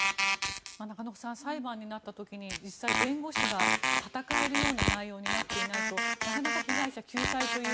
中野さん裁判になった時に実際、弁護士が闘えるような内容になっていないとなかなか被害者救済という。